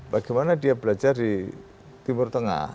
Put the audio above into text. bagaimana dia belajar di timur tengah